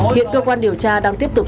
hiện cơ quan điều tra đang tiếp tục